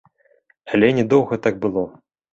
Але не доўга так было.